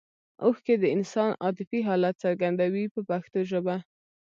اوښکې د انسان عاطفي حالت څرګندوي په پښتو ژبه.